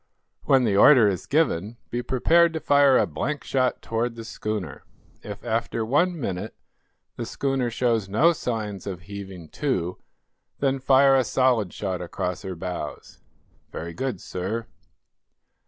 When the order is given, be prepared to fire a blank shot toward the schooner. If, after one minute, the schooner shows no signs of heaving to, then fire a solid shot across her bows." "Very good, sir."